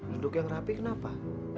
duduk yang rapi kenapa